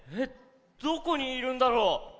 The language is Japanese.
どこにいるんだろう。